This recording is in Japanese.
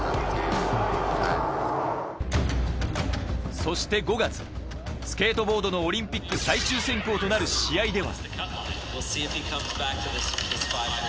そして５月スケートボートのオリンピック最終選考となる試合では。